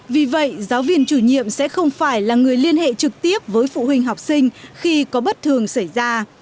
vì vậy giáo viên chủ nhiệm sẽ không phải là người liên hệ trực tiếp với phụ huynh học sinh khi có bất thường xảy ra